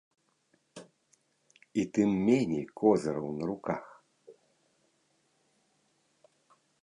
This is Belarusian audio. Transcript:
І тым меней козыраў на руках.